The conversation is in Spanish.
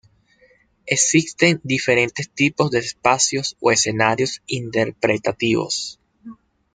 Existen diferentes tipos de espacios o escenarios interpretativos.